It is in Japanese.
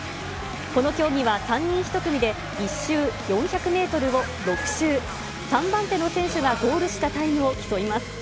この競技は３人１組で、１周４００メートルを６周、３番手の選手がゴールしたタイムを競います。